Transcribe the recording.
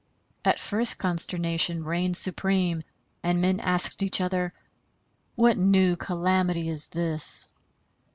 At first consternation reigned supreme, and men asked each other: "What new calamity is this?"